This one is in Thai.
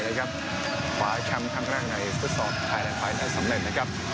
นะครับฝาแคมป์ข้างล่างในสุดสอบไทยแลนด์ไทยแลนด์สำเร็จนะครับ